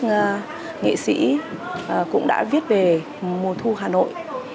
các nghệ sĩ cũng đã viết về mùa thu hà nội